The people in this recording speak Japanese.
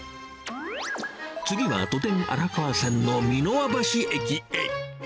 次は都電荒川線の三ノ輪橋駅へ。